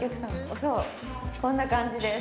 こんな感じです。